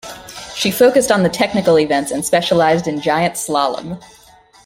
She focused on the technical events and specialized in giant slalom.